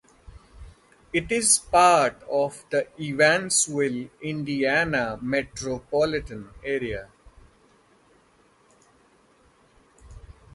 It is part of the Evansville, Indiana, Metropolitan Area.